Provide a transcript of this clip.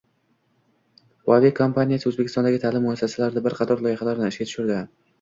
Huawei kompaniyasi O‘zbekistondagi ta’lim muassasalarida bir qator loyihalarni ishga tushirdi